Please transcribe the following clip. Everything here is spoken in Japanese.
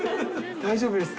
大丈夫ですか？